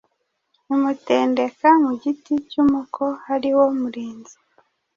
Imutendeka mu giti cy’umuko ari wo murinzi.